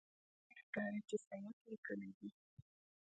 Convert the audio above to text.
داسې ښکاري چې سید لیکلي دي.